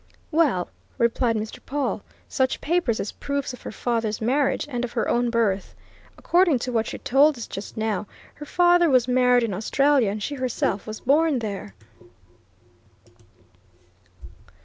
"Well," replied Mr. Pawle, "such papers as proofs of her father's marriage, and of her own birth. According to what she told us just now, her father was married in Australia, and she herself was born there.